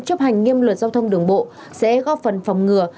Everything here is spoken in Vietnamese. chấp hành nghiêm luật giao thông đường bộ sẽ góp phần phòng ngừa